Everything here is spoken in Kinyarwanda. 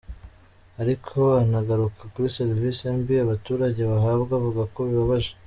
Ariko anagaruka kuri serivisi mbi abaturage bahabwa, avuga ko bibabaje.